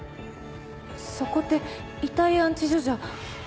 そこって遺体安置所じゃ。